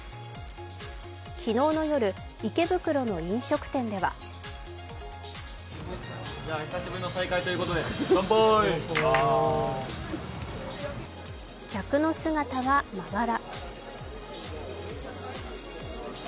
昨日の夜、池袋の飲食店では客の姿はまばら。